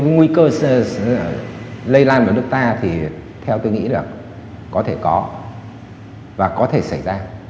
nguy cơ lây lan vào nước ta thì theo tôi nghĩ là có thể có và có thể xảy ra